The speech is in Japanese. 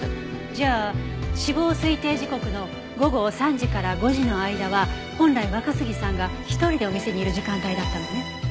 じゃあ死亡推定時刻の午後３時から５時の間は本来若杉さんが一人でお店にいる時間帯だったのね。